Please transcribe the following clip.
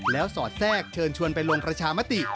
แล้วสอดแทรกเชิญชวนไปลงประชามติ